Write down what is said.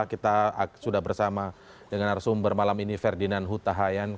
kita sudah bersama dengan arsumber malam ini ferdinand huta hayan